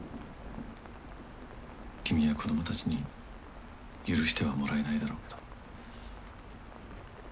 君や子どもたちに許してはもらえないだろうけど。